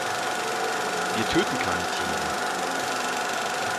Wir töten keine Tiere.